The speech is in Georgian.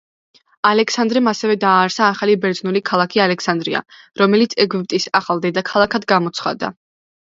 ალექსანდრემ ასევე დააარსა ახალი ბერძნული ქალაქი ალექსანდრია, რომელიც ეგვიპტის ახალ დედაქალაქად გამოაცხადა.